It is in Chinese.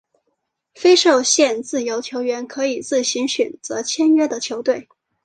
非受限自由球员可以自行选择签约的球队。